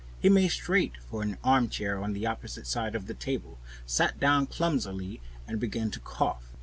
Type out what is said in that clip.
He made straight for an armchair on the opposite side of the table, sat down clumsily, and began to cough.